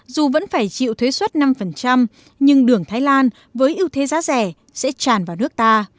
dù vẫn phải chịu thuế xuất năm nhưng đường thái lan với ưu thế giá rẻ sẽ tràn vào nước ta